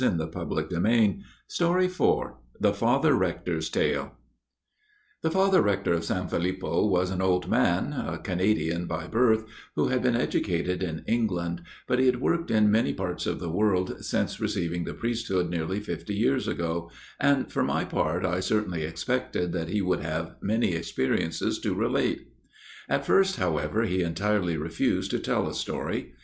IV The Father Rector's Story IV The Father Rector's Story THE Father Rector of San Filippo was an old man, a Canadian by birth, who had been educated in England, but he had worked in many parts of the world since receiving the priesthood nearly fifty years ago, and for my part I certainly expected that he would have many experiences to relate. At first, however, he entirely refused to tell a story.